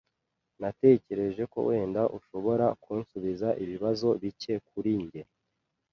Natekereje ko wenda ushobora kunsubiza ibibazo bike kuri njye.